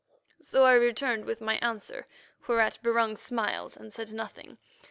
So I returned with my answer, whereat Barung smiled and said nothing.